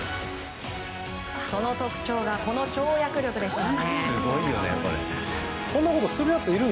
その特徴がこの跳躍力でした。